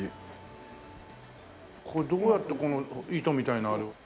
これどうやってこの糸みたいなあれを。